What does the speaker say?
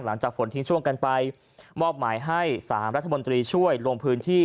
หลังจากฝนทิ้งช่วงกันไปมอบหมายให้๓รัฐมนตรีช่วยลงพื้นที่